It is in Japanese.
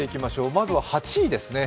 まずは８位ですね。